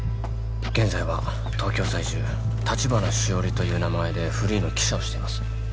現在は東京在住橘しおりという名前でフリーの記者をしています